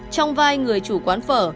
trong vai người chủ quán phở